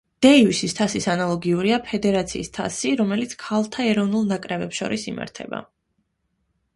დეივისის თასის ანალოგიურია ფედერაციის თასი, რომელიც ქალთა ეროვნულ ნაკრებებს შორის იმართება.